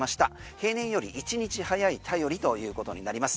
平年より１日早い頼りということになります。